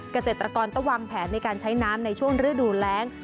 เกษตรกรต้องวางแผนในการใช้น้ำในช่วงฤดูแรง